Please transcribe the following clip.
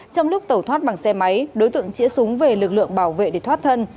trong lúc tẩu thoát bằng xe máy đối tượng chĩa súng về lực lượng bảo vệ để thoát thân